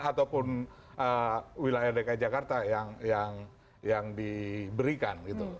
ataupun wilayah dki jakarta yang diberikan